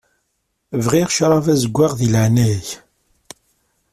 Bɣiɣ ccṛab azeggaɣ di leɛnaya-k.